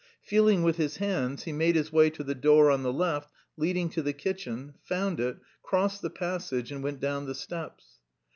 Feeling with his hands, he made his way to the door on the left leading to the kitchen, found it, crossed the passage, and went down the steps.